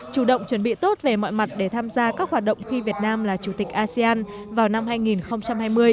chủ động chuẩn bị tốt về mọi mặt để tham gia các hoạt động khi việt nam là chủ tịch asean vào năm hai nghìn hai mươi